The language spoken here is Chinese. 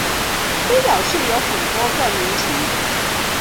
飞鸟寺有很多个名称。